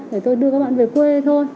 để tôi đưa các bạn về quê thôi